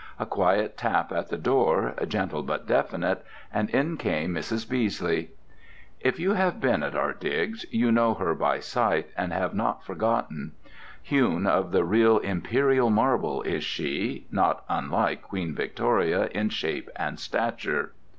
A quiet tap at the door, gentle but definite, and in came Mrs. Beesley. If you have been at our digs, you know her by sight, and have not forgotten. Hewn of the real imperial marble is she, not unlike Queen Victoria in shape and stature.